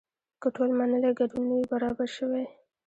که ټول منلی ګډون نه وي برابر شوی.